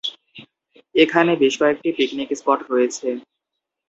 এখানে বেশ কয়েকটি পিকনিক স্পট রয়েছে।